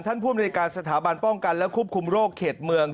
ภูมิในการสถาบันป้องกันและควบคุมโรคเขตเมือง